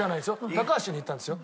高橋に言ったんですよ。